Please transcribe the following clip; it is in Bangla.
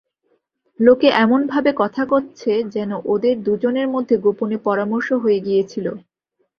লোকে এমনভাবে কথা কচ্ছে যেন ওদের দুজনের মধ্যে গোপনে পরামর্শ হয়ে গিয়েছিল।